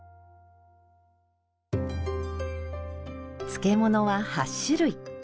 漬物は８種類。